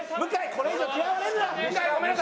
これ以上嫌われるな！